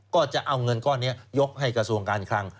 ก็จะเอาเงินก้อนนี้ยกให้กระทรวงการคลัง